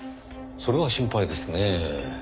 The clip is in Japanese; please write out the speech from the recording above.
それは心配ですねぇ。